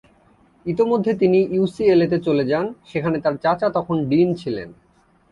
ইতোমধ্যে তিনি ইউসিএলএ-তে চলে যান, সেখানে তার চাচা তখন ডিন ছিলেন।